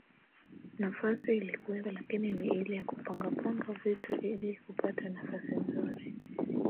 Nafasi ilikuwepo lakini ni ile ya kupangapanga vitu ili kupata nafasi nzuri